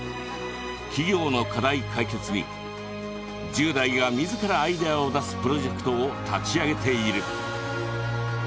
企業の課題解決に１０代が自らアイデアを出すプロジェクトを立ち上げている。